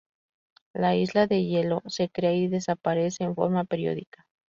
La isla de hielo se crea y desaparece en forma periódica.